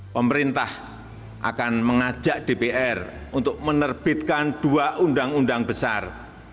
pemerintah akan mengajak dpr untuk menerbitkan dua undang undang besar